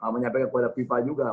menyampaikan kepada viva juga